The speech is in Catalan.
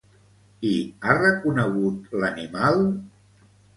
I ha reconegut l'animal?